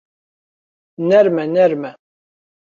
نەرمە نەرمە